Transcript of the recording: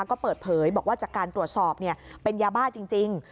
ก็เปิดเผยบอกว่าจากการตรวจสอบเป็นยาบ้าจริง